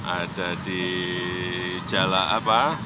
ada di jalak apa